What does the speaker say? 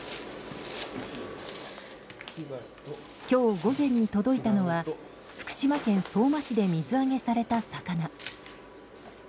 今日午前に届いたのは福島県相馬市で水揚げされた魚。